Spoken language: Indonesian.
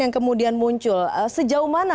yang kemudian muncul sejauh mana